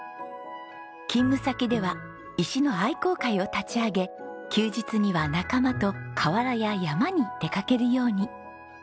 勤務先では石の愛好会を立ち上げ休日には仲間と河原や山に出かけるように。